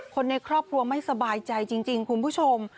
คนในครอบครัวไม่สบายใจจริงคุณผู้ชม